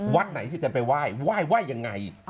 วัดไหนที่อาจารย์จะไปไหว้ไหว้ไหว้ยังไง